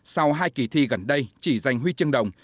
sau hai kỳ thi gần đây chỉ giành huy chương đồng